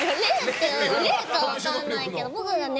例か分かんないけど僕が猫